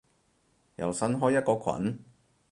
又新開一個群？